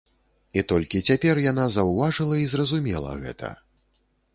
І толькі цяпер яна заўважыла і зразумела гэта.